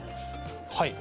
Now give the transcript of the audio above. はい。